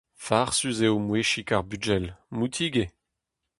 Farsus eo mouezhig ar bugel, moutik eo.